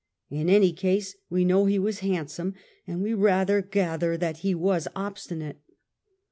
In any case we know he was handsome, and we rather gather that End of he was obstinate.